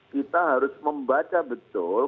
kita harus membaca betul